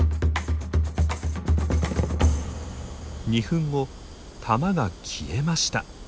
２分後玉が消えました。